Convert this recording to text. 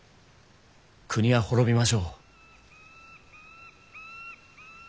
国は亡びましょう。